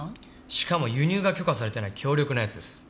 しかも輸入が許可されてない強力なやつです。